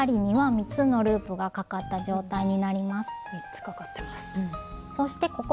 ３つかかってます。